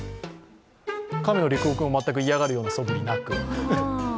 亀のリクオ君は全く嫌がるようなそぶりはなく。